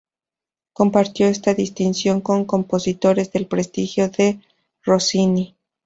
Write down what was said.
Compartió esta distinción con compositores del prestigio de Rossini.